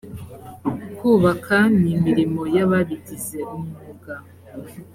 kubaka ni imirimo y’ababigize umwuga